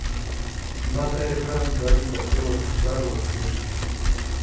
ما ته يې کړه دا دى په خپل وطندار ورپېښ شوې.